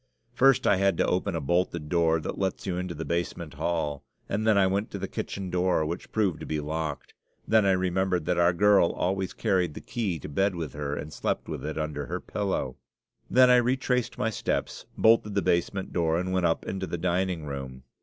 First I had to open a bolted door that lets you into the basement hall, and then I went to the kitchen door, which proved to be locked. Then I remembered that our girl always carried the key to bed with her and slept with it under her pillow. Then I retraced my steps, bolted the basement door, and went up into the dining room.